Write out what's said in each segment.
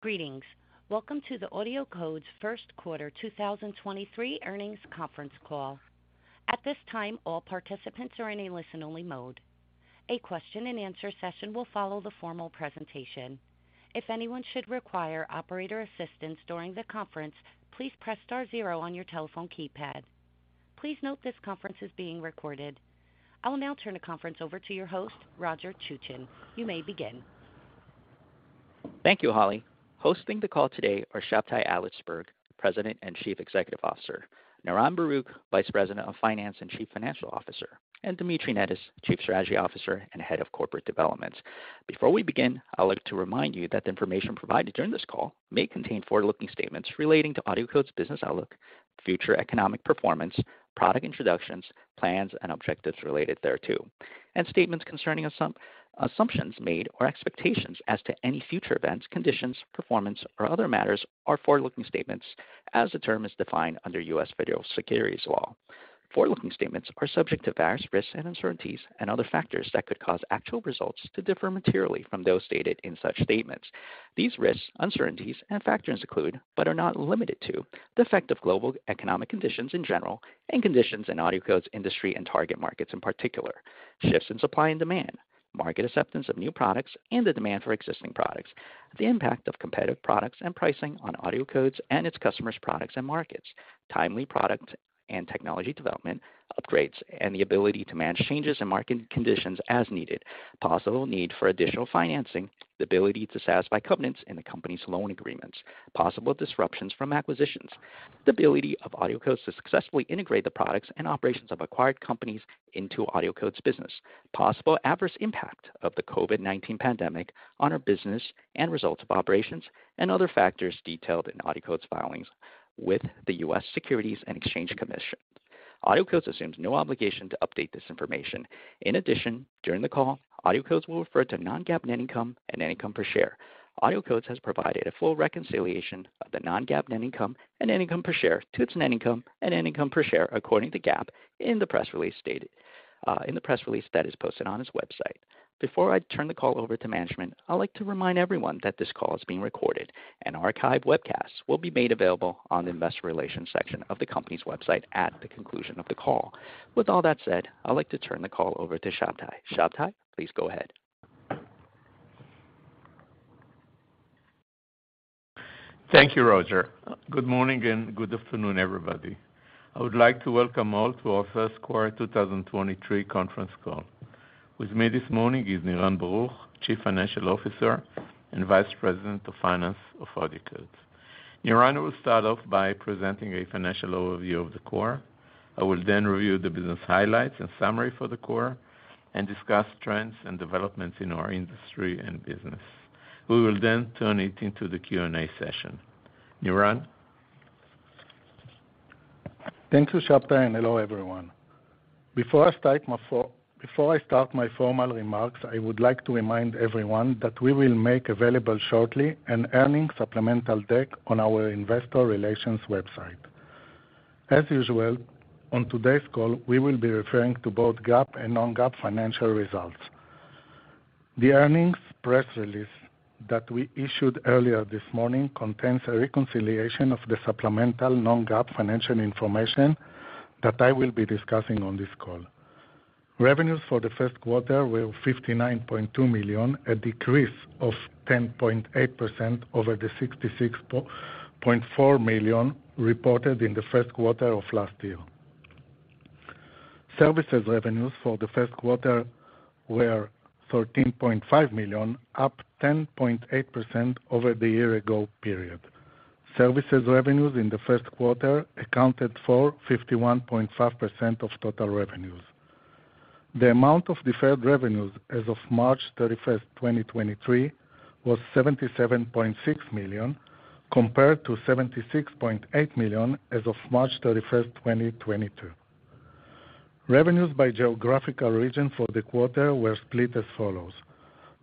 Greetings. Welcome to the AudioCodes first quarter 2023 earnings conference call. At this time, all participants are in a listen-only mode. A question-and-answer session will follow the formal presentation. If anyone should require operator assistance during the conference, please press star zero on your telephone keypad. Please note this conference is being recorded. I will now turn the conference over to your host, Roger Chuchen. You may begin. Thank you, Holly. Hosting the call today are Shabtai Adlersberg, President and Chief Executive Officer, Niran Baruch, Vice President of Finance and Chief Financial Officer, and Dmitry Netis, Chief Strategy Officer and Head of Corporate Development. Before we begin, I would like to remind you that the information provided during this call may contain forward-looking statements relating to AudioCodes business outlook, future economic performance, product introductions, plans and objectives related thereto. Statements concerning assumptions made or expectations as to any future events, conditions, performance, or other matters are forward-looking statements as the term is defined under U.S. federal securities law. Forward-looking statements are subject to various risks and uncertainties and other factors that could cause actual results to differ materially from those stated in such statements. These risks, uncertainties and factors include, but are not limited to, the effect of global economic conditions in general and conditions in AudioCodes industry and target markets in particular. Shifts in supply and demand, market acceptance of new products and the demand for existing products, the impact of competitive products and pricing on AudioCodes and its customers' products and markets. Timely product and technology development, upgrades, and the ability to manage changes in market conditions as needed. Possible need for additional financing, the ability to satisfy covenants in the company's loan agreements, possible disruptions from acquisitions. The ability of AudioCodes to successfully integrate the products and operations of acquired companies into AudioCodes business. Possible adverse impact of the COVID-19 pandemic on our business and results of operations and other factors detailed in AudioCodes filings with the U.S. Securities and Exchange Commission. AudioCodes assumes no obligation to update this information. In addition, during the call, AudioCodes will refer to non-GAAP net income and net income per share. AudioCodes has provided a full reconciliation of the non-GAAP net income and net income per share to its net income and net income per share according to GAAP in the press release stated in the press release that is posted on its website. Before I turn the call over to management, I'd like to remind everyone that this call is being recorded and archived webcasts will be made available on the investor relations section of the company's website at the conclusion of the call. With all that said, I'd like to turn the call over to Shabtai. Shabtai, please go ahead. Thank you, Roger. Good morning and good afternoon, everybody. I would like to welcome all to our first quarter 2023 conference call. With me this morning is Niran Baruch, Chief Financial Officer and Vice President of Finance of AudioCodes. Niran will start off by presenting a financial overview of the quarter. I will review the business highlights and summary for the quarter and discuss trends and developments in our industry and business. We will turn it into the Q&A session. Niran? Thank you, Shabtai Adlersberg, and hello, everyone. Before I start my formal remarks, I would like to remind everyone that we will make available shortly an earnings supplemental deck on our investor relations website. As usual, on today's call, we will be referring to both GAAP and non-GAAP financial results. The earnings press release that we issued earlier this morning contains a reconciliation of the supplemental non-GAAP financial information that I will be discussing on this call. Revenues for the first quarter were $59.2 million, a decrease of 10.8% over the $66.4 million reported in the first quarter of last year. Services revenues for the first quarter were $13.5 million, up 10.8% over the year ago period. Services revenues in the first quarter accounted for 51.5% of total revenues. The amount of deferred revenues as of March 31st, 2023, was $77.6 million, compared to $76.8 million as of March 31st, 2022. Revenues by geographical region for the quarter were split as follows: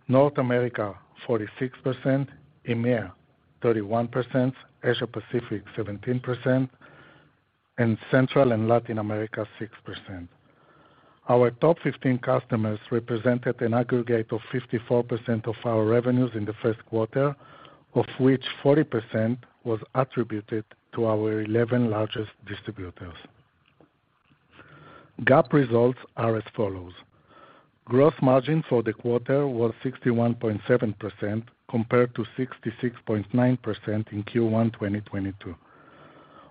North America, 46%, EMEA, 31%, Asia Pacific, 17%, and Central and Latin America, 6%. Our top 15 customers represented an aggregate of 54% of our revenues in the first quarter, of which 40% was attributed to our 11 largest distributors. GAAP results are as follows. Gross margin for the quarter was 61.7% compared to 66.9% in Q1 2022.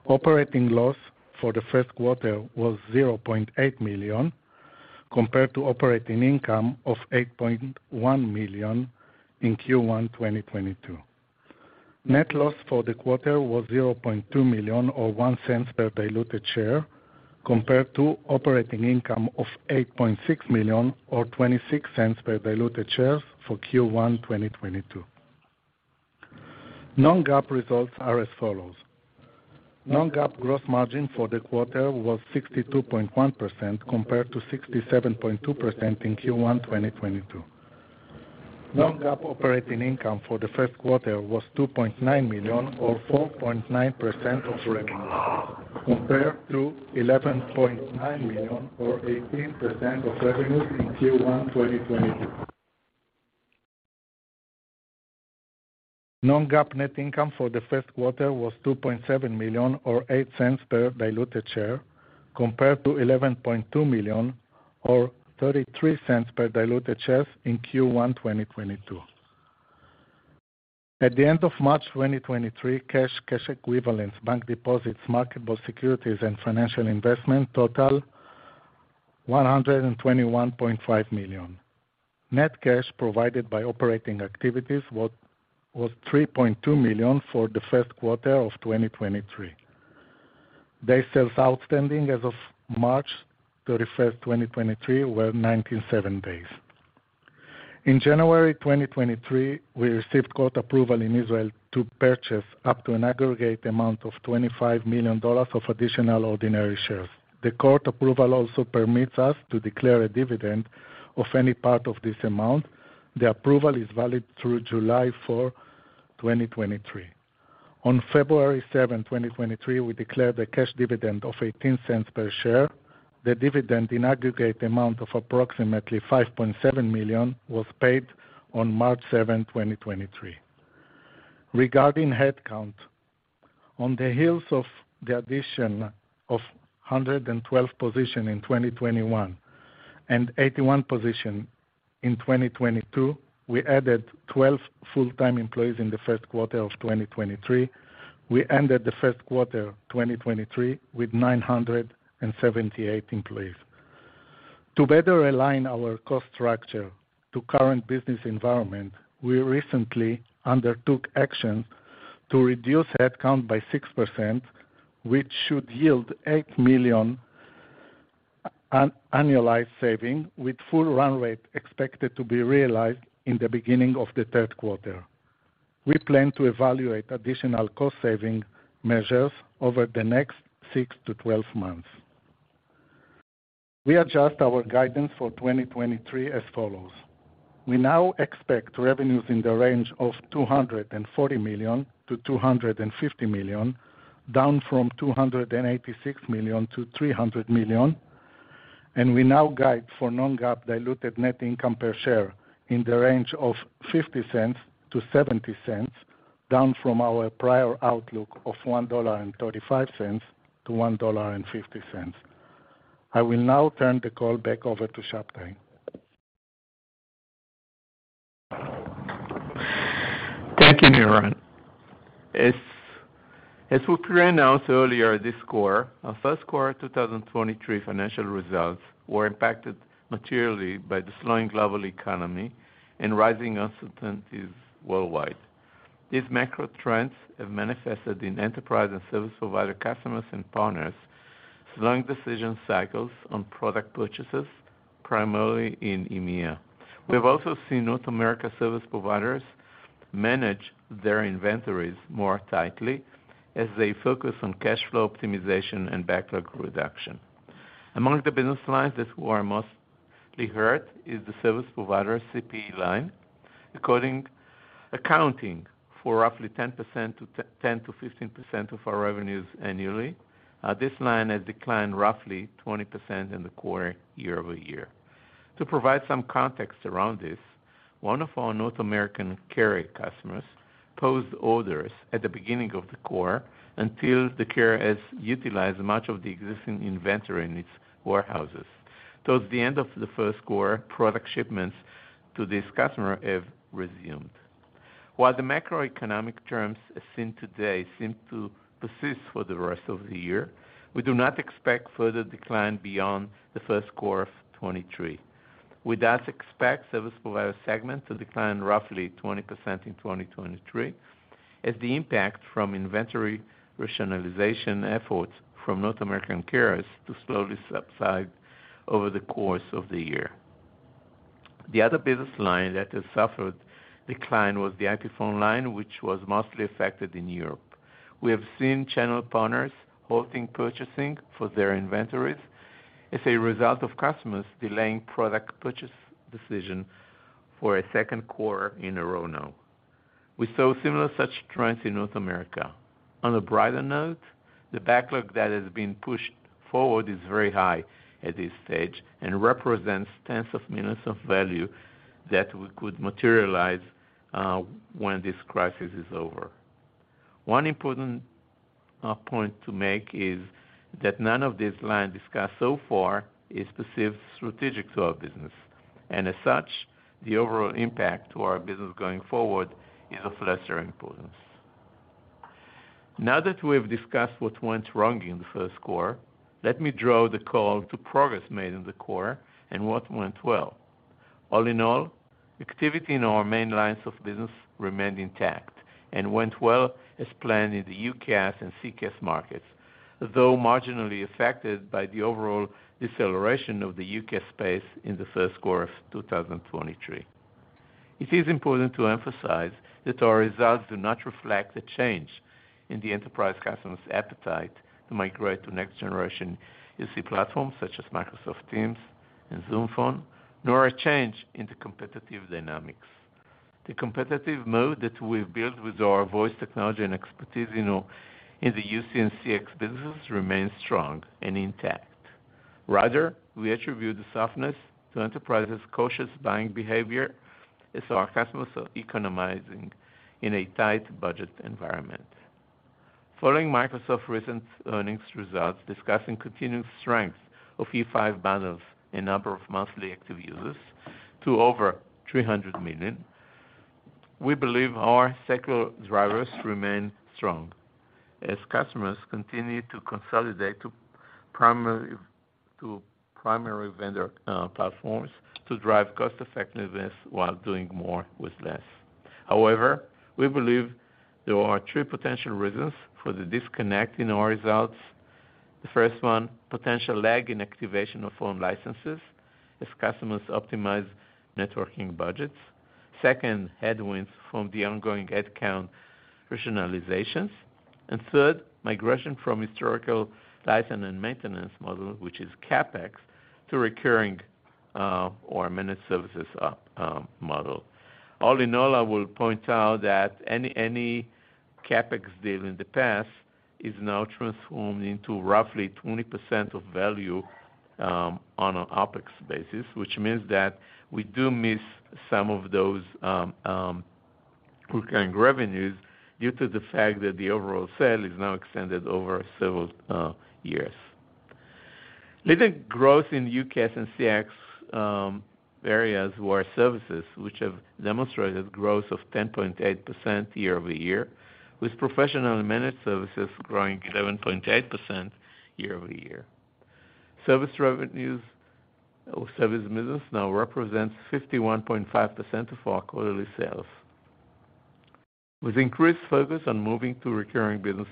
Operating loss for the first quarter was $0.8 million compared to operating income of $8.1 million in Q1 2022. Net loss for the quarter was $0.2 million or $0.01 per diluted share, compared to operating income of $8.6 million or $0.26 per diluted share for Q1 2022. Non-GAAP results are as follows. Non-GAAP gross margin for the quarter was 62.1% compared to 67.2% in Q1 2022. Non-GAAP operating income for the first quarter was $2.9 million or 4.9% of revenue, compared to $11.9 million or 18% of revenue in Q1 2022. Non-GAAP net income for the first quarter was $2.7 million or $0.08 per diluted share compared to $11.2 million or $0.33 per diluted share in Q1 2022. At the end of March 2023, cash equivalents, bank deposits, marketable securities and financial investment totaled $121.5 million. Net cash provided by operating activities was $3.2 million for the first quarter of 2023. Days sales outstanding as of March 31st, 2023 were 97 days. In January 2023, we received court approval in Israel to purchase up to an aggregate amount of $25 million of additional ordinary shares. The court approval also permits us to declare a dividend of any part of this amount. The approval is valid through July 4, 2023. On February 7th, 2023, we declared a cash dividend of $0.18 per share. The dividend in aggregate amount of approximately $5.7 million was paid on March 7th, 2023. Regarding headcount, on the heels of the addition of 112 position in 2021 and 81 position in 2022, we added 12 full-time employees in the first quarter of 2023. We ended the first quarter 2023 with 978 employees. To better align our cost structure to current business environment, we recently undertook action to reduce headcount by 6%, which should yield $8 million an-annualized saving with full run rate expected to be realized in the beginning of the third quarter. We plan to evaluate additional cost saving measures over the next six to 12 months. We adjust our guidance for 2023 as follows: We now expect revenues in the range of $240 million-$250 million, down from $286 million-$300 million, and we now guide for non-GAAP diluted net income per share in the range of $0.50-$0.70, down from our prior outlook of $1.35-$1.50. I will now turn the call back over to Shabtai Adlersberg. Thank you, Niran. As we pre-announced earlier this quarter, our first quarter 2023 financial results were impacted materially by the slowing global economy and rising uncertainties worldwide. These macro trends have manifested in enterprise and service provider customers and partners, slowing decision cycles on product purchases, primarily in EMEA. We have also seen North America service providers manage their inventories more tightly as they focus on cash flow optimization and backlog reduction. Among the business lines that were mostly hurt is the service provider CPE line. Accounting for roughly 10% to 10% to 15% of our revenues annually, this line has declined roughly 20% in the quarter year-over-year. To provide some context around this, one of our North American carrier customers paused orders at the beginning of the quarter until the carrier has utilized much of the existing inventory in its warehouses. Towards the end of the first quarter, product shipments to this customer have resumed. While the macroeconomic terms as seen today seem to persist for the rest of the year, we do not expect further decline beyond the first quarter of 2023. We thus expect service provider segment to decline roughly 20% in 2023, as the impact from inventory rationalization efforts from North American carriers to slowly subside over the course of the year. The other business line that has suffered decline was the IP phone line, which was mostly affected in Europe. We have seen channel partners halting purchasing for their inventories as a result of customers delaying product purchase decision for a second quarter in a row now. We saw similar such trends in North America. On a brighter note, the backlog that has been pushed forward is very high at this stage and represents tens of millions of value that we could materialize when this crisis is over. One important point to make is that none of these lines discussed so far is perceived strategic to our business, and as such, the overall impact to our business going forward is of lesser importance. Now that we have discussed what went wrong in the first quarter, let me draw the call to progress made in the quarter and what went well. All in all, activity in our main lines of business remained intact and went well as planned in the UCaaS and CCaaS markets, though marginally affected by the overall deceleration of the UCaaS space in the first quarter of 2023. It is important to emphasize that our results do not reflect a change in the enterprise customer's appetite to migrate to next generation UC platform such as Microsoft Teams and Zoom Phone, nor a change in the competitive dynamics. The competitive mode that we've built with our voice technology and expertise in the UC and CX business remains strong and intact. Rather, we attribute the softness to enterprises' cautious buying behavior as our customers are economizing in a tight budget environment. Following Microsoft's recent earnings results, discussing continued strength of E5 bundles in number of monthly active users to over 300 million, we believe our secular drivers remain strong as customers continue to consolidate to primary vendor platforms to drive cost effectiveness while doing more with less. We believe there are three potential reasons for the disconnect in our results. The first one, potential lag in activation of foreign licenses as customers optimize networking budgets. Second, headwinds from the ongoing head count rationalizations. Third, migration from historical license and maintenance model, which is CapEx, to recurring or managed services model. All in all, I will point out that any CapEx deal in the past is now transformed into roughly 20% of value on an OpEx basis, which means that we do miss some of those recurring revenues due to the fact that the overall sale is now extended over several years. Leading growth in UCaaS and CX areas who are services, which have demonstrated growth of 10.8% year-over-year, with professional managed services growing 11.8% year-over-year. Service revenues or service business now represents 51.5% of our quarterly sales. With increased focus on moving to recurring business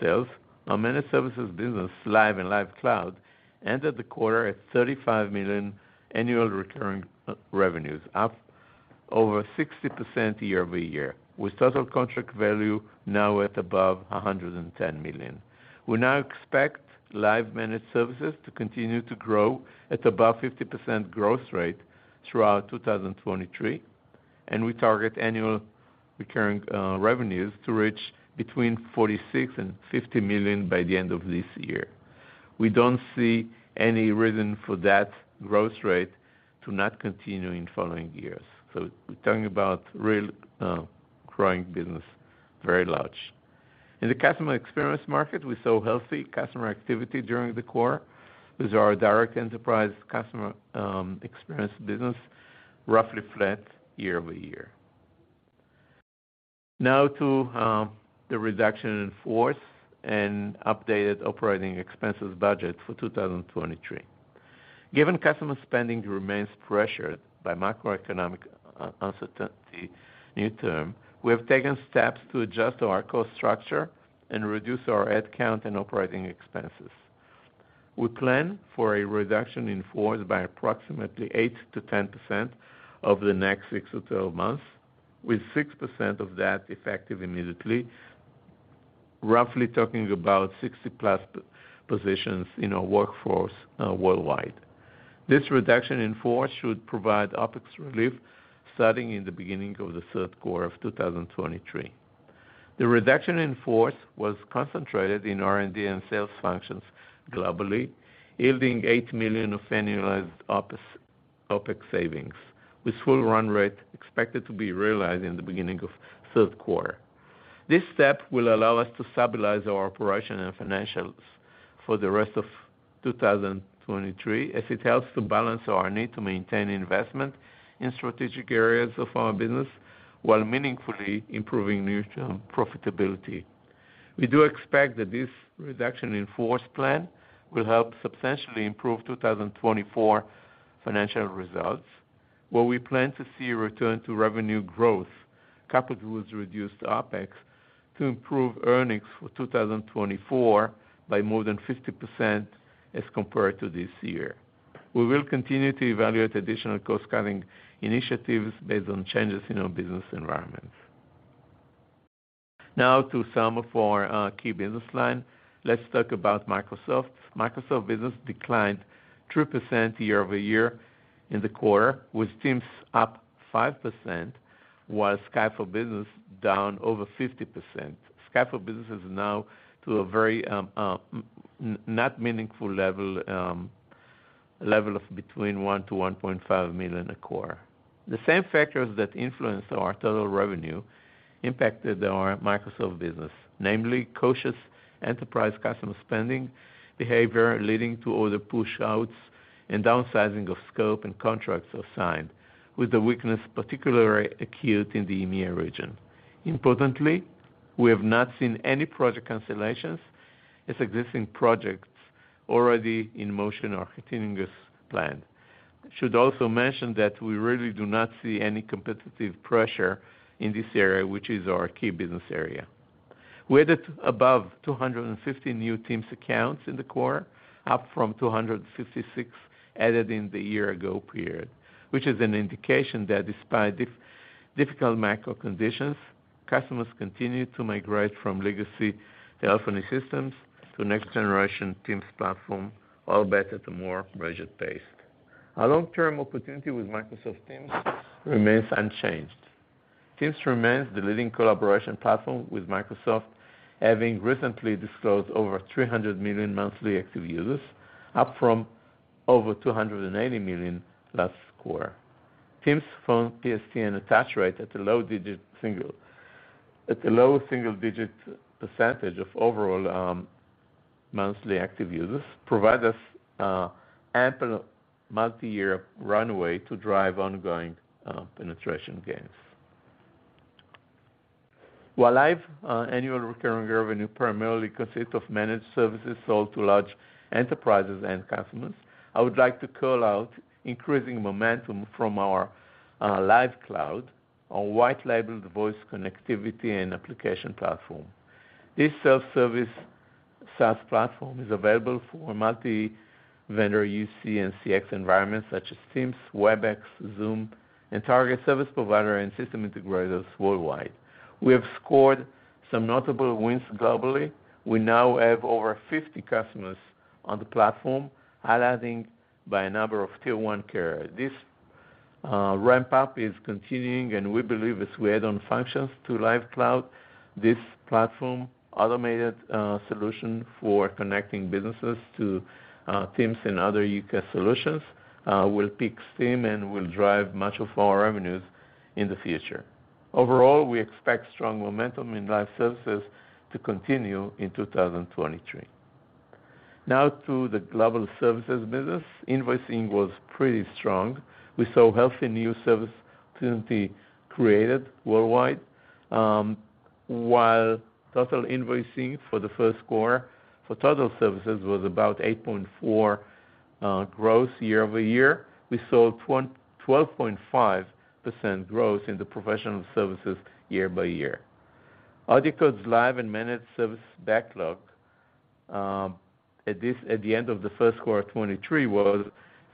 sales, our managed services business Live and Live Cloud ended the quarter at $35 million annual recurring revenues, up over 60% year-over-year, with total contract value now at above $110 million. We now expect Live managed services to continue to grow at above 50% growth rate throughout 2023, and we target annual recurring revenues to reach between $46 million-$50 million by the end of this year. We don't see any reason for that growth rate to not continue in following years. We're talking about real growing business, very large. In the customer experience market, we saw healthy customer activity during the quarter with our direct enterprise customer experience business roughly flat year-over-year. Now to the reduction in force and updated operating expenses budget for 2023. Given customer spending remains pressured by macroeconomic uncertainty near term, we have taken steps to adjust our cost structure and reduce our headcount and operating expenses. We plan for a reduction in force by approximately 8%-10% over the next six-12 months, with 6% of that effective immediately. Roughly talking about 60+ positions in our workforce worldwide. This reduction in force should provide OpEx relief starting in the beginning of the third quarter of 2023. The reduction in force was concentrated in R&D and sales functions globally, yielding $8 million of annualized OpEx savings, with full run rate expected to be realized in the beginning of third quarter. This step will allow us to stabilize our operation and financials for the rest of 2023, as it helps to balance our need to maintain investment in strategic areas of our business while meaningfully improving near-term profitability. We do expect that this reduction in force plan will help substantially improve 2024 financial results, where we plan to see a return to revenue growth coupled with reduced OpEx to improve earnings for 2024 by more than 50% as compared to this year. We will continue to evaluate additional cost-cutting initiatives based on changes in our business environments. To some of our key business line. Let's talk about Microsoft. Microsoft business declined 3% year-over-year in the quarter, with Teams up 5% while Skype for Business down over 50%. Skype for Business is now to a very not meaningful level of between $1 million-$1.5 million a quarter. The same factors that influenced our total revenue impacted our Microsoft business, namely cautious enterprise customer spending behavior, leading to order push-outs and downsizing of scope and contracts assigned, with the weakness particularly acute in the EMEA region. Importantly, we have not seen any project cancellations as existing projects already in motion are continuing as planned. Should also mention that we really do not see any competitive pressure in this area, which is our key business area. We added above 250 new Teams accounts in the quarter, up from 256 added in the year-ago period, which is an indication that despite difficult macro conditions, customers continue to migrate from legacy telephony systems to next generation Teams platform, all better to more budget-based. Our long-term opportunity with Microsoft Teams remains unchanged. Teams remains the leading collaboration platform, with Microsoft having recently disclosed over 300 million monthly active users, up from over 280 million last quarter. Teams Phone PSTN attach rate at the low single-digit percent of overall monthly active users provide us ample multi-year runway to drive ongoing penetration gains. While Live annual recurring revenue primarily consists of managed services sold to large enterprises and customers, I would like to call out increasing momentum from our Live Cloud, our white-labeled voice connectivity and application platform. This self-service SaaS platform is available for a multi-vendor UC and CX environment such as Teams, Webex, Zoom, and target service provider and system integrators worldwide. We have scored some notable wins globally. We now have over 50 customers on the platform, adding by a number of tier one carrier. This ramp-up is continuing, and we believe as we add on functions to Live Cloud, this platform automated solution for connecting businesses to Teams and other UCaaS solutions, will pick steam and will drive much of our revenues in the future. Overall, we expect strong momentum in Live Services to continue in 2023. Now to the global services business. Invoicing was pretty strong. We saw healthy new service opportunity created worldwide. While total invoicing for the first quarter for total services was about 8.4% growth year-over-year, we saw 12.5% growth in the professional services year-by-year. AudioCodes Live and Managed Service backlog at the end of the first quarter of 2023 was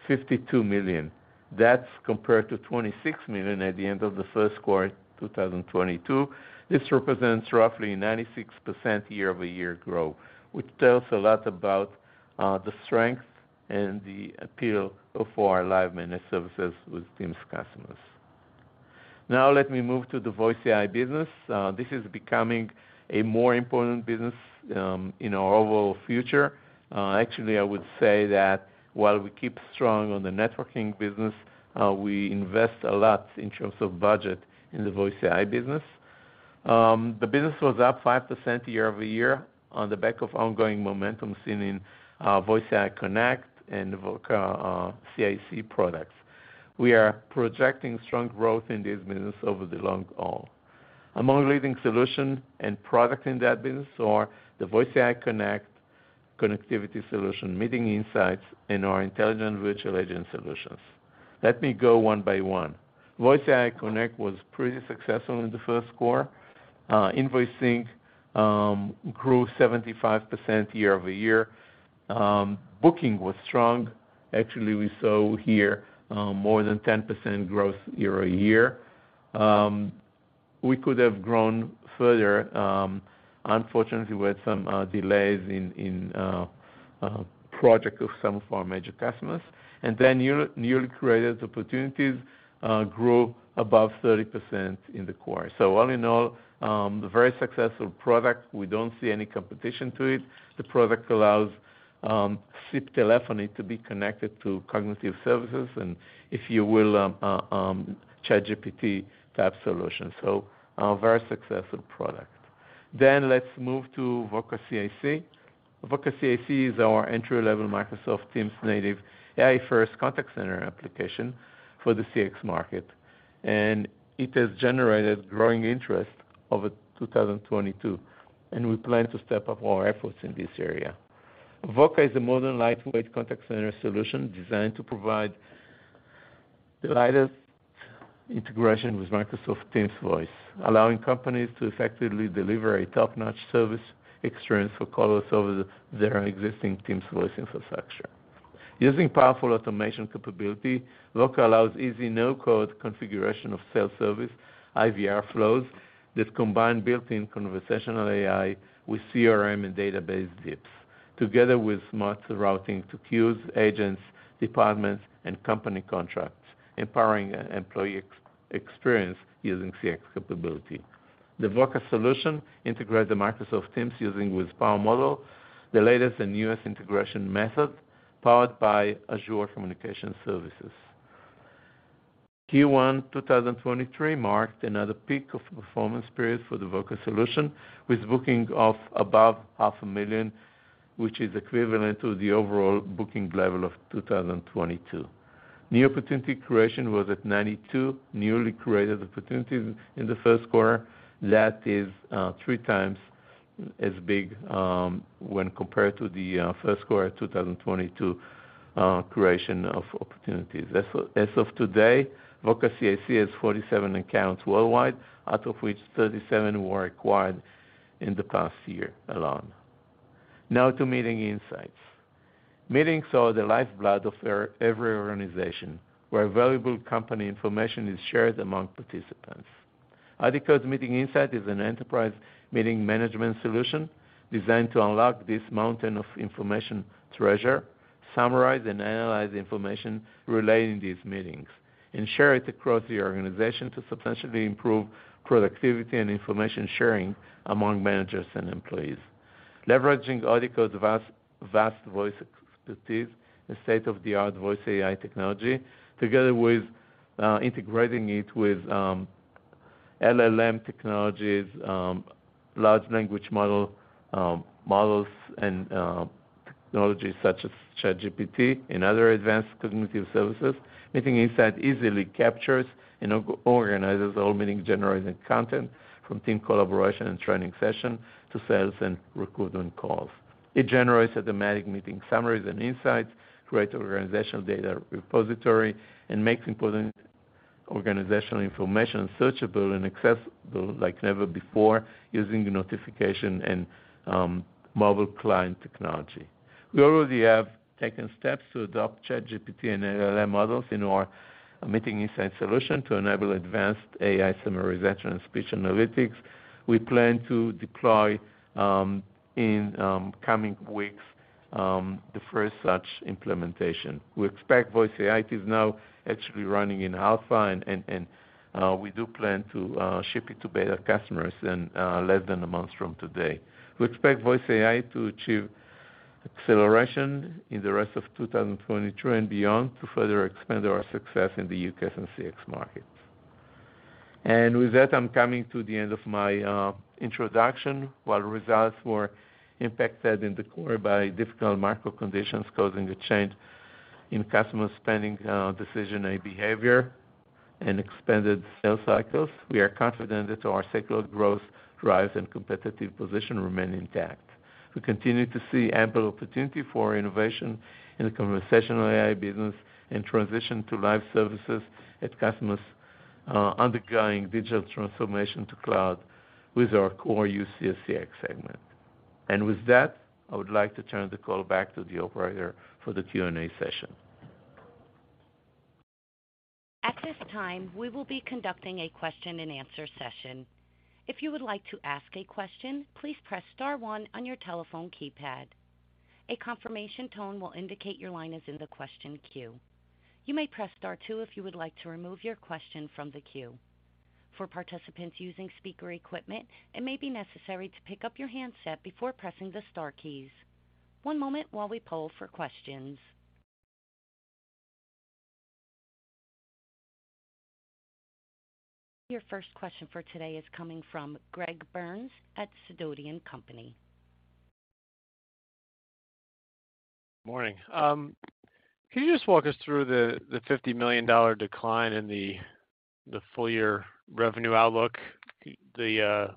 $52 million. That's compared to $26 million at the end of the first quarter 2022. This represents roughly 96% year-over-year growth, which tells a lot about the strength and the appeal of our Live Managed services with Teams customers. Now let me move to the Voice AI business. This is becoming a more important business in our overall future. Actually, I would say that while we keep strong on the networking business, we invest a lot in terms of budget in the Voice AI business. The business was up 5% year-over-year on the back of ongoing momentum seen in Voice AI Connect and Voca CIC products. We are projecting strong growth in this business over the long haul. Among leading solution and product in that business are the Voice AI Connect connectivity solution, Meeting Insights, and our intelligent virtual agent solutions. Let me go one by one. Voice AI Connect was pretty successful in the first quarter. Invoicing grew 75% year-over-year. Booking was strong. Actually, we saw here more than 10% growth year-over-year. We could have grown further. Unfortunately, we had some delays in project of some of our major customers. Newly created opportunities grew above 30% in the quarter. All in all, a very successful product. We don't see any competition to it. The product allows SIP telephony to be connected to cognitive services, and if you will, ChatGPT type solution. Very successful product. Let's move to Voca CIC. Voca CIC is our entry-level Microsoft Teams native AI-first contact center application for the CX market, and it has generated growing interest over 2022, and we plan to step up our efforts in this area. Voca is a modern, lightweight contact center solution designed to provide the latest integration with Microsoft Teams Voice, allowing companies to effectively deliver a top-notch service experience for callers over their existing Teams Voice infrastructure. Using powerful automation capability, Voca allows easy no-code configuration of self-service IVR flows that combine built-in conversational AI with CRM and Database Dips, together with smart routing to queues, agents, departments, and company contracts, empowering e-employee ex-experience using CX capability. The Voca solution integrates the Microsoft Teams using with Power Model, the latest and newest integration method powered by Azure Communication Services. Q1 2023 marked another peak of performance period for the Voca solution, with booking of above half a million, which is equivalent to the overall booking level of 2022. New opportunity creation was at 92 newly created opportunities in the first quarter. That is three times as big when compared to the first quarter 2022 creation of opportunities. As of today, Voca CIC has 47 accounts worldwide, out of which 37 were acquired in the past year alone. To Meeting Insights. Meetings are the lifeblood of every organization, where valuable company information is shared among participants. AudioCodes Meeting Insights is an enterprise meeting management solution designed to unlock this mountain of information treasure. Summarize and analyze the information relating these meetings and share it across the organization to substantially improve productivity and information sharing among managers and employees. Leveraging AudioCodes' vast Voice AI expertise and state-of-the-art Voice AI technology, together with integrating it with LLM technologies, large language model models and technologies such as ChatGPT and other advanced cognitive services, Meeting Insights easily captures and organizes all meeting generated content from team collaboration and training session to sales and recruitment calls. It generates automatic meeting summaries and insights, creates organizational data repository, and makes important organizational information searchable and accessible like never before, using notification and mobile client technology. We already have taken steps to adopt ChatGPT and LLM models in our Meeting Insights solution to enable advanced AI summarization and speech analytics. We plan to deploy in coming weeks the first such implementation. We expect Voice AI is now actually running in Alpha and we do plan to ship it to beta customers in less than a month from today. We expect Voice AI to achieve acceleration in the rest of 2022 and beyond to further expand our success in the UCX and CX markets. With that, I'm coming to the end of my introduction. While results were impacted in the quarter by difficult market conditions causing a change in customer spending, decision, and behavior, and expanded sales cycles, we are confident that our secular growth drives and competitive position remain intact. We continue to see ample opportunity for innovation in the conversational AI business and transition to Live services at customers undergoing digital transformation to cloud with our core UCX/CX segment. With that, I would like to turn the call back to the operator for the Q&A session. At this time, we will be conducting a question-and-answer session. If you would like to ask a question, please press star one on your telephone keypad. A confirmation tone will indicate your line is in the question queue. You may press star two if you would like to remove your question from the queue. For participants using speaker equipment, it may be necessary to pick up your handset before pressing the star keys. One moment while we poll for questions. Your first question for today is coming from Greg Burns at Sidoti & Company. Morning. Can you just walk us through the $50 million decline in the full-year revenue outlook, the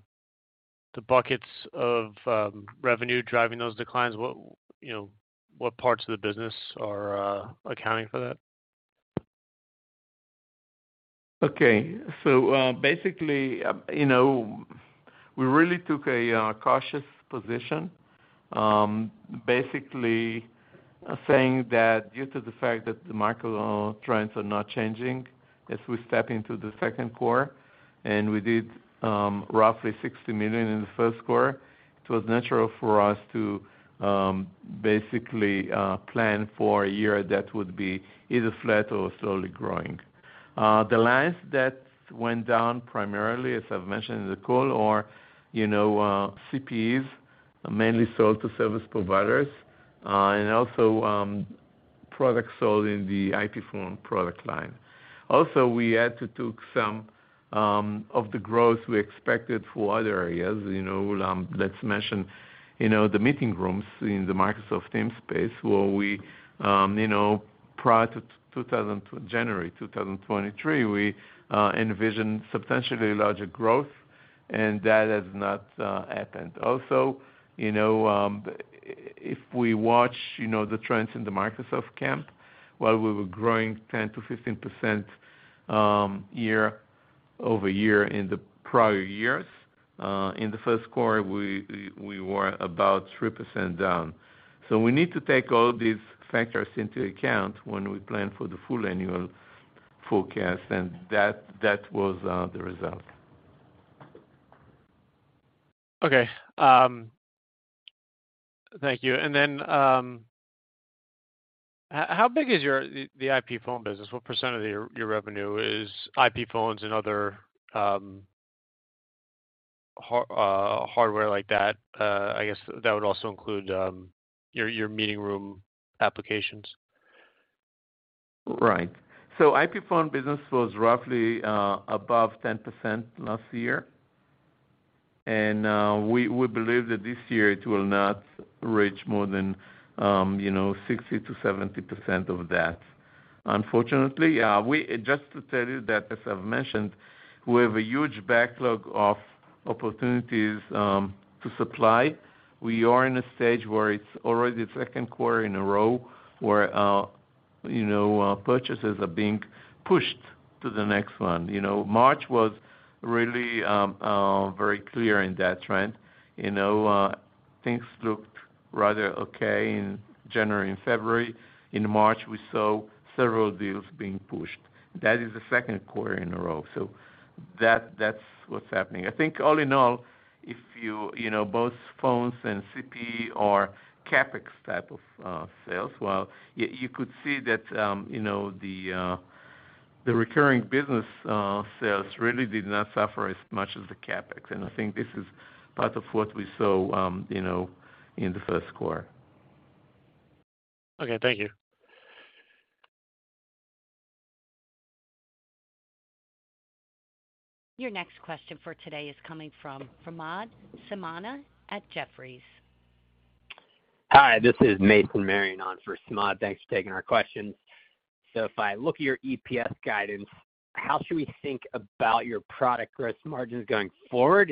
buckets of revenue driving those declines? What, you know, what parts of the business are accounting for that? Okay. Basically, you know, we really took a cautious position, basically saying that due to the fact that the market trends are not changing as we step into the second quarter, and we did roughly $60 million in the first quarter, it was natural for us to basically plan for a year that would be either flat or slowly growing. The lines that went down primarily, as I've mentioned in the call, are, you know, CPEs mainly sold to service providers, and also products sold in the IP phone product line. Also, we had to took some of the growth we expected for other areas. You know, let's mention, you know, the meeting rooms in the Microsoft Teams space where we, you know, prior to 2000... January 2023, we envisioned substantially larger growth, and that has not happened. Also, you know, if we watch, you know, the trends in the Microsoft camp, while we were growing 10%-15% year-over-year in the prior years, in the first quarter, we were about 3% down. We need to take all these factors into account when we plan for the full annual forecast, and that was the result. Okay. Thank you. How big is your IP phone business? What % of your revenue is IP phones and other, hardware like that? I guess that would also include, your meeting room applications. Right. IP phone business was roughly above 10% last year. We believe that this year it will not reach more than, you know, 60%-70% of that. Unfortunately, just to tell you that, as I've mentioned, we have a huge backlog of opportunities to supply. We are in a stage where it's already the second quarter in a row where, you know, purchases are being pushed to the next one. You know, March was really very clear in that trend. You know, things looked rather okay in January and February. In March, we saw several deals being pushed. That is the second quarter in a row. That's what's happening. I think all in all, if you know, both phones and CPE or CapEx type of sales, while you could see that, you know, the recurring business sales really did not suffer as much as the CapEx. I think this is part of what we saw, you know, in the first quarter. Okay, thank you. Your next question for today is coming from Samad Samana at Jefferies. Hi, this is Mason Marion on for Samad. Thanks for taking our questions. If I look at your EPS guidance, how should we think about your product growth margins going forward?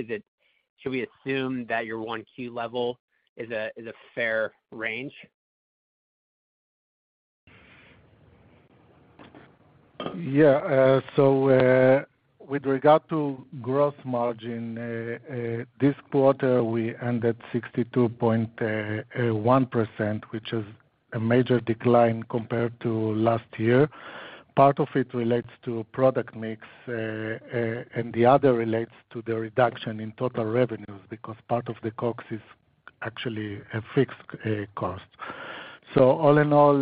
Should we assume that your 1Q level is a fair range? Yeah. With regard to growth margin, this quarter, we ended 62.1%, which is a major decline compared to last year. Part of it relates to product mix, and the other relates to the reduction in total revenues, because part of the COGS is actually a fixed cost. All in all,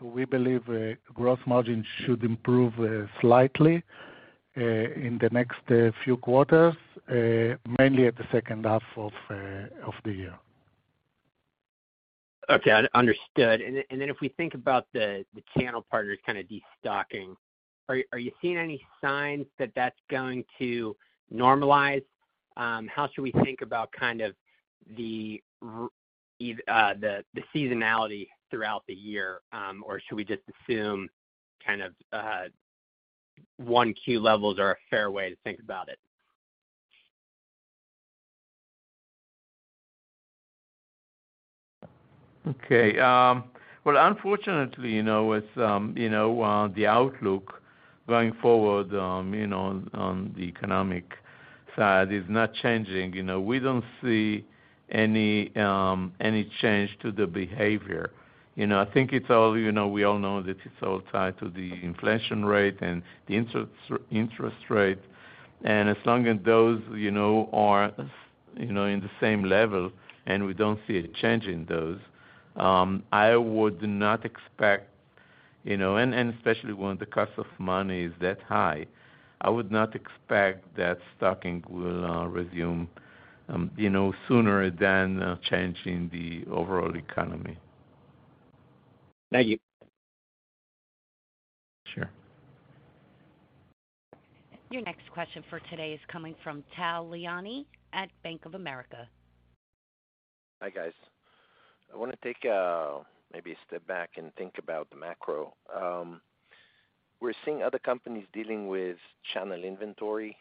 we believe, growth margins should improve, slightly, in the next few quarters, mainly at the second half of the year. Okay. Understood. If we think about the channel partners kind of destocking, are you seeing any signs that that's going to normalize? How should we think about kind of the seasonality throughout the year? Should we just assume kind of 1Q levels are a fair way to think about it? Okay. Well, unfortunately, you know, with, you know, the outlook going forward, you know, on the economic side is not changing. You know, we don't see any change to the behavior. You know, I think it's all, you know, we all know that it's all tied to the inflation rate and the interest rate. As long as those, you know, are, you know, in the same level, and we don't see a change in those, I would not expect, you know, and especially when the cost of money is that high, I would not expect that stocking will resume, you know, sooner than a change in the overall economy. Thank you. Sure. Your next question for today is coming from Tal Liani at Bank of America. Hi, guys. I want to take maybe a step back and think about the macro. We're seeing other companies dealing with channel inventory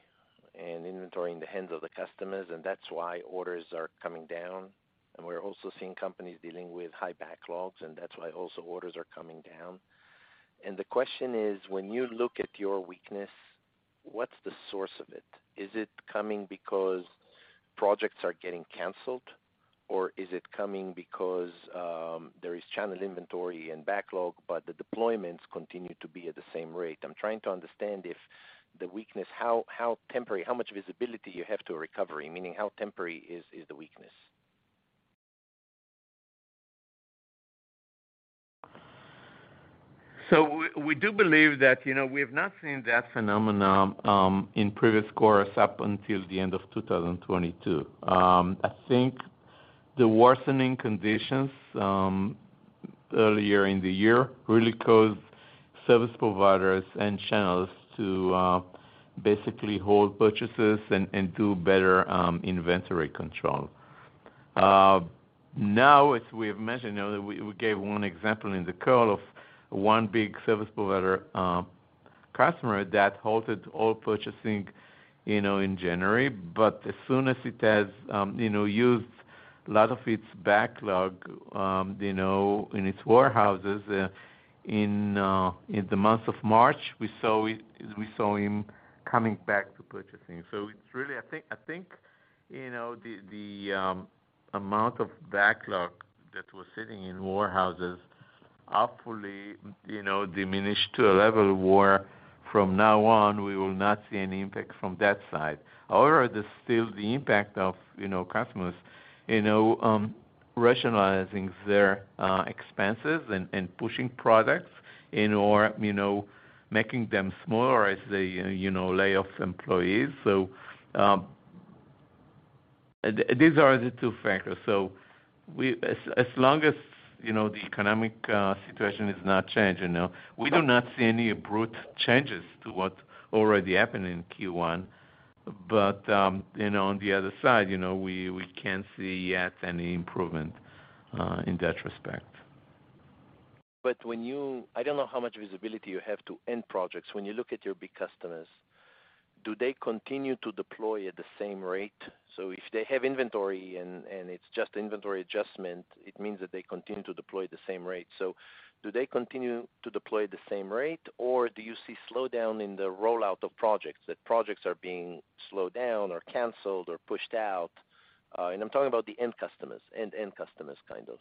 and inventory in the hands of the customers, that's why orders are coming down. We're also seeing companies dealing with high backlogs, that's why also orders are coming down. The question is, when you look at your weakness, what's the source of it? Is it coming because projects are getting canceled, or is it coming because there is channel inventory and backlog, but the deployments continue to be at the same rate? I'm trying to understand if the weakness, how temporary, how much visibility you have to a recovery, meaning how temporary is the weakness. We do believe that, you know, we have not seen that phenomenon in previous quarters up until the end of 2022. I think the worsening conditions earlier in the year really caused service providers and channels to basically hold purchases and do better inventory control. now, as we have mentioned, you know, we gave one example in the call of one big service provider customer that halted all purchasing, you know, in January. As soon as it has, you know, used a lot of its backlog, you know, in its warehouses, in the month of March, we saw him coming back to purchasing. I think, you know, the amount of backlog that was sitting in warehouses hopefully, you know, diminished to a level where from now on, we will not see any impact from that side. However, there's still the impact of, you know, customers, you know, rationalizing their expenses and pushing products and/or, you know, making them smaller as they, you know, lay off employees. These are the two factors. As long as, you know, the economic situation is not changing, you know, we do not see any abrupt changes to what already happened in Q1. On the other side, you know, we can't see yet any improvement in that respect. When you I don't know how much visibility you have to end projects? When you look at your big customers, do they continue to deploy at the same rate? If they have inventory and it's just inventory adjustment, it means that they continue to deploy the same rate. Do they continue to deploy the same rate, or do you see slowdown in the rollout of projects, that projects are being slowed down or canceled or pushed out? And I'm talking about the end customers, end customers, kind of.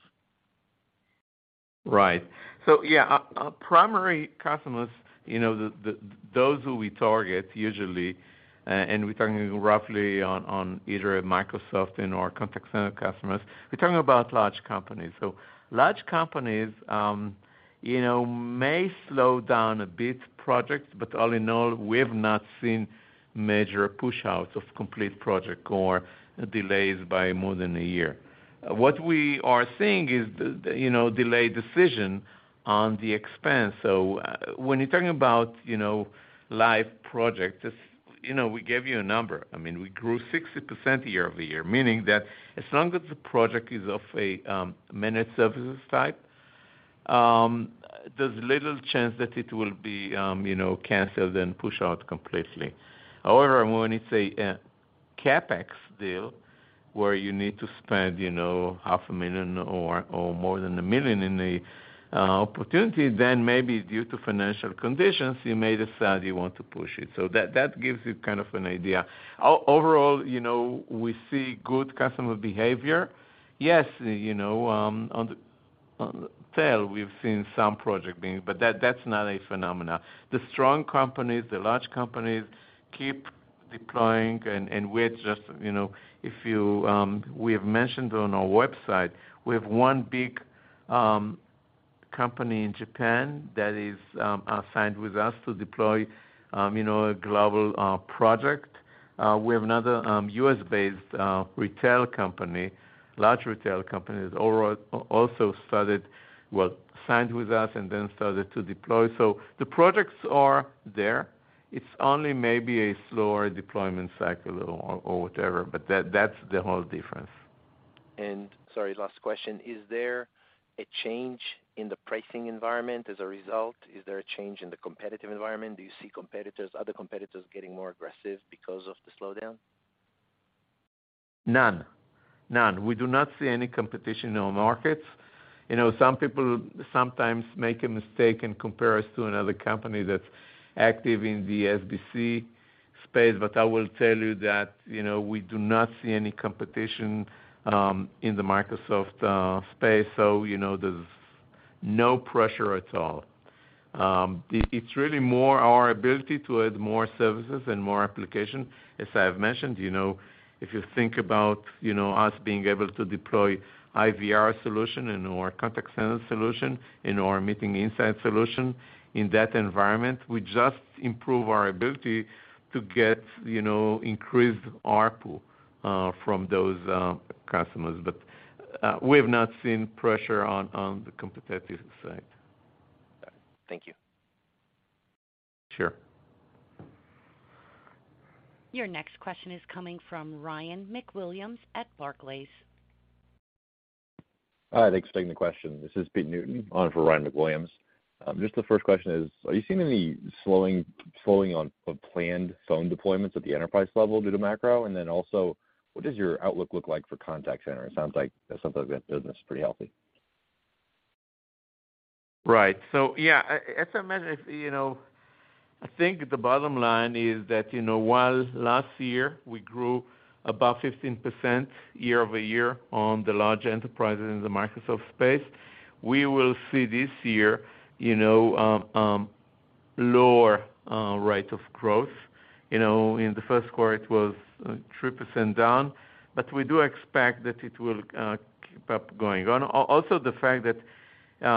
Right. Yeah, our primary customers, you know, those who we target usually, and we're talking roughly on either Microsoft and our contact center customers. We're talking about large companies. Large companies, you know, may slow down a bit projects, but all in all, we have not seen major pushouts of complete project or delays by more than a year. What we are seeing is the, you know, delayed decision on the expense. When you're talking about, you know, Live projects, just, you know, we gave you a number. I mean, we grew 60% year-over-year, meaning that as long as the project is of a managed services type, there's little chance that it will be, you know, canceled and pushed out completely. However, when it's a CapEx deal where you need to spend, you know, half a million or more than a million in a opportunity, then maybe due to financial conditions, you may decide you want to push it. That gives you kind of an idea. Overall, you know, we see good customer behavior. Yes, you know, on the, on the tail, we've seen some project being... that's not a phenomena. The strong companies, the large companies keep deploying and we're just, you know, if you, we have mentioned on our website, we have one big company in Japan that is assigned with us to deploy, you know, a global project. We have another U.S.-based retail company, large retail company who's also started signed with us then started to deploy. The projects are there. It's only maybe a slower deployment cycle or whatever, but that's the whole difference. Sorry, last question. Is there a change in the pricing environment as a result? Is there a change in the competitive environment? Do you see competitors, other competitors getting more aggressive because of the slowdown? None. None. We do not see any competition in our markets. You know, some people sometimes make a mistake and compare us to another company that's active in the SBC space. I will tell you that, you know, we do not see any competition in the Microsoft space. You know, there's no pressure at all. It's really more our ability to add more services and more application. As I have mentioned, you know, if you think about, you know, us being able to deploy IVR solution in our contact center solution, in our Meeting Insight solution, in that environment, we just improve our ability to get, you know, increased ARPU from those customers. We have not seen pressure on the competitive side. Thank you. Sure. Your next question is coming from Ryan MacWilliams at Barclays. Hi, thanks. Taking the question. This is Pete Newton on for Ryan MacWilliams. Just the first question is, are you seeing any slowing on planned phone deployments at the enterprise level due to macro? Also, what does your outlook look like for contact center? It sounds like it's something that business is pretty healthy. Right. As I mentioned, you know, I think the bottom line is that, you know, while last year we grew about 15% year-over-year on the large enterprises in the Microsoft space, we will see this year, you know, lower rate of growth. You know, in the first quarter, it was 3% down, but we do expect that it will keep up going on. Also the fact that,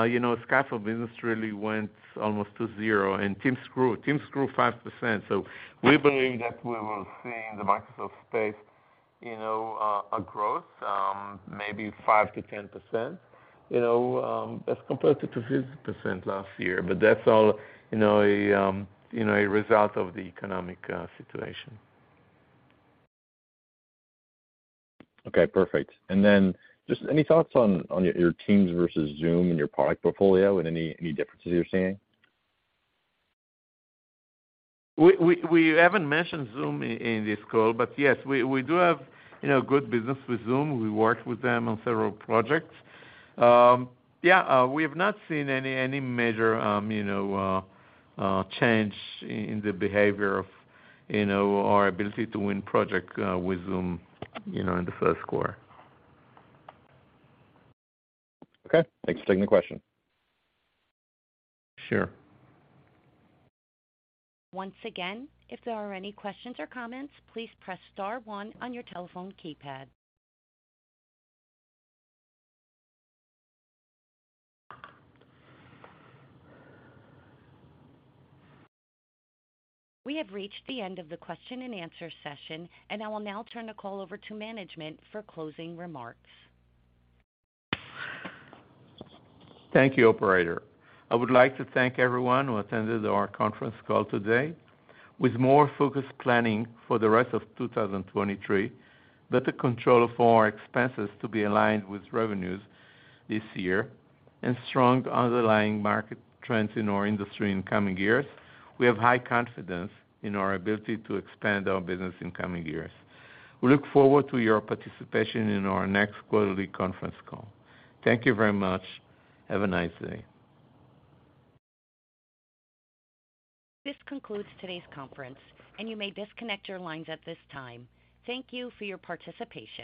you know, Skype business really went almost to zero and Teams grew. Teams grew 5%. We believe that we will see in the Microsoft space, you know, a growth, maybe 5%-10%, you know, as compared to 6% last year. That's all, you know, a, you know, a result of the economic situation. Okay, perfect. Then just any thoughts on your Teams versus Zoom in your product portfolio and any differences you're seeing? We haven't mentioned Zoom in this call, but yes, we do have, you know, good business with Zoom. We worked with them on several projects. Yeah, we have not seen any major, you know, change in the behavior of, you know, our ability to win project with Zoom, you know, in the first quarter. Okay. Thanks for taking the question. Sure. Once again, if there are any questions or comments, please press star one on your telephone keypad. We have reached the end of the question and answer session. I will now turn the call over to management for closing remarks. Thank you, operator. I would like to thank everyone who attended our conference call today. With more focused planning for the rest of 2023, better control for our expenses to be aligned with revenues this year, and strong underlying market trends in our industry in coming years, we have high confidence in our ability to expand our business in coming years. We look forward to your participation in our next quarterly conference call. Thank you very much. Have a nice day. This concludes today's conference, and you may disconnect your lines at this time. Thank you for your participation.